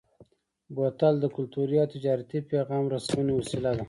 بوتل د کلتوري او تجارتي پیغام رسونې وسیله ده.